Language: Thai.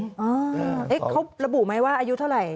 เขาระบุไหมว่าอายุเท่าไหร่